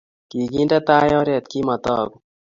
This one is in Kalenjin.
kikinde tai oret kimataku